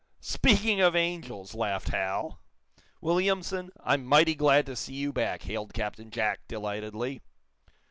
"Speaking of angels!" laughed Hal. "Williamson, I'm mighty glad to see you back," hailed Captain Jack, delightedly.